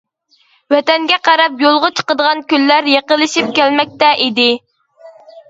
ۋەتەنگە قاراپ يولغا چىقىدىغان كۈنلەر يېقىنلىشىپ كەلمەكتە ئىدى.